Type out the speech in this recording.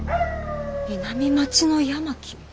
南町の八巻？